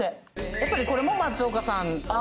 やっぱりこれも松岡さん。